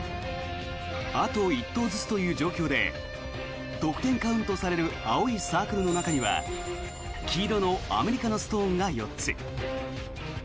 あと１投ずつという状況で得点カウントされる青いサークルの中には黄色のアメリカのストーンが４つ。